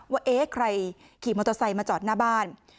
ว่าเอ๊ะใครขี่มอเตอร์ไซค์มาจอดหน้าบ้าน